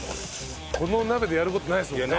この鍋でやる事ないですもんね。